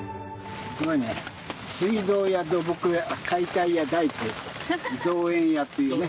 水道や土木や、解体屋、大工、造園屋っていうね。